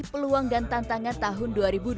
peluang dan tantangan tahun dua ribu dua puluh